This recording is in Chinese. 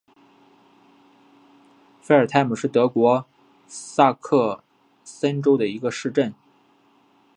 费尔泰姆是德国下萨克森州的一个市镇。